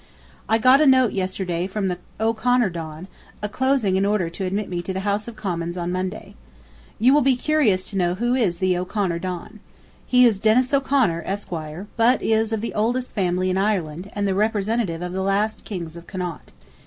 I got a note yesterday from the O'Connor Don, enclosing an order to admit me to the House of Commons on Monday. ... You will be curious to know who is "The O'Connor Don." He is Dennis O'Connor, Esq., but is of the oldest family in Ireland, and the representative of the last kings of Connaught.